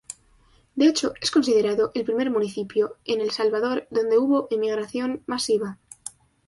De hecho, es considerado el primer municipio, en El Salvador, donde hubo emigración masiva.